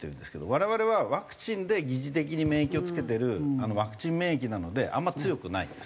我々はワクチンで擬似的に免疫をつけてるワクチン免疫なのであんま強くないんです。